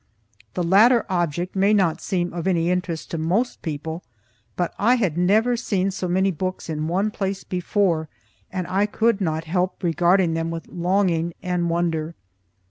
The latter object may not seem of any interest to most people, but I had never seen so many books in one place before, and I could not help regarding them with longing and wonder.